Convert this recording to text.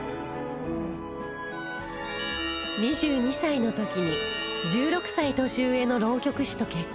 ２２歳の時に１６歳年上の浪曲師と結婚